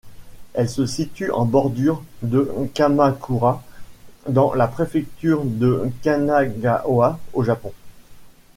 Elle se situe en bordure de Kamakura, dans la préfecture de Kanagawa, au Japon.